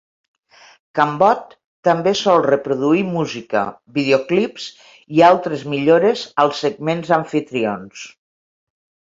Cambot també sol reproduir música, videoclips i altres millores als segments amfitrions.